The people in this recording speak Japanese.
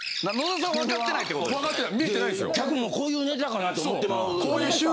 客もこういうネタかなと。